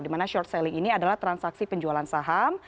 di mana short selling ini adalah transaksi penjualan saham